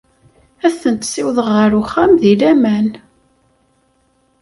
Ad tent-ssiwḍeɣ ɣer uxxam deg laman.